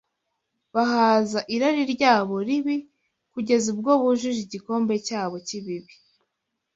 bahaza irari ryabo ribi kugeza ubwo bujuje igikombe cyabo cy’ibibi